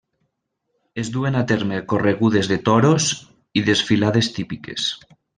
Es duen a terme corregudes de toros i desfilades típiques.